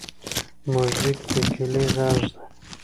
موزیک د کلي غږ دی.